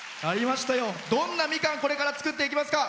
どんなみかん、これから作っていきますか？